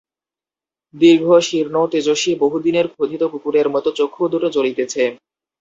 দীর্ঘ, শীর্ণ, তেজস্বী, বহুদিনের ক্ষুধিত কুকুরের মতো চক্ষু দুটো জ্বলিতেছে।